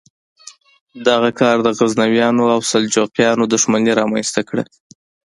دغه کار د غزنویانو او سلجوقیانو دښمني رامنځته کړه.